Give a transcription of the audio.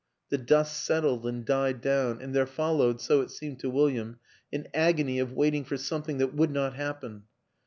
The dust settled and died down and there followed (so it seemed to William) an agony of waiting for something that would not happen.